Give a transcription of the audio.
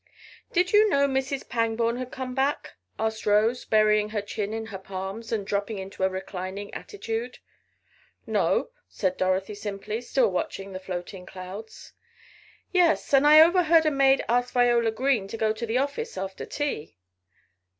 "Did you know Mrs. Pangborn had come back?" asked Rose, burying her chin in her palms, and dropping into a reclining attitude. "No," said Dorothy, simply, still watching the floating clouds. "Yes, and I overheard a maid ask Viola Green to go to the office after tea."